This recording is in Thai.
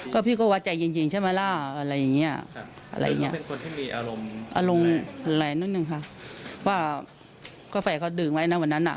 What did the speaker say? ก็พี่ก็ว่าใจจริงใช่มั้ยล่ะอะไรอย่างเงี้ย